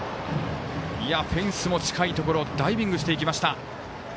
フェンスの近いところダイビングしていきました。